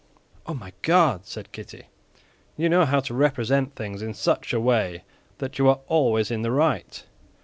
"Oh, my God!" said Kitty, "you know how to represent things in such a way that you are always in the right.